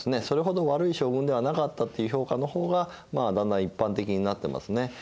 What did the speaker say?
それほど悪い将軍ではなかったっていう評価の方がだんだん一般的になってますね。